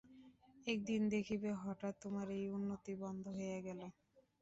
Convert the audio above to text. একদিন দেখিবে হঠাৎ তোমার এই উন্নতি বন্ধ হইয়া গেল।